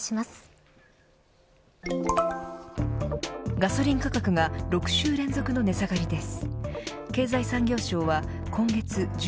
ガソリン価格が６週連続の値下がりです。